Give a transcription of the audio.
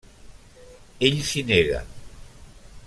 Ell s'hi nega.